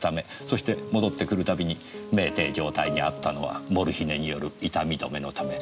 そして戻ってくる度に酩酊状態にあったのはモルヒネによる痛み止めのため。